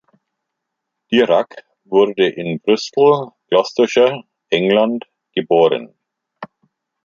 Dirac wurde in Bristol, Gloucestershire, England geboren.